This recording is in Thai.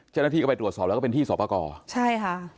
เจ้าหน้าที่ก็ไปตรวจสอบแล้วก็เป็นที่สอบประกอบใช่ค่ะ